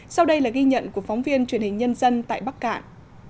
sau đây là ghi nhận của phóng viên truyền hình nhân dân tại bắc cạn